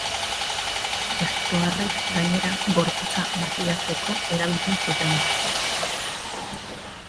Egiptoarrek, gainera, gorputza makilatzeko erabiltzen zuten.